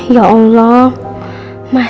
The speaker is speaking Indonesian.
ya allah mas al